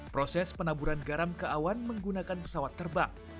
proses penaburan garam ke awan menggunakan pesawat terbang